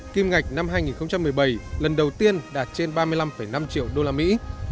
kim ngạch năm hai nghìn một mươi bảy lần đầu tiên đạt trên ba mươi năm năm triệu đô la mỹ